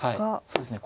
そうですね。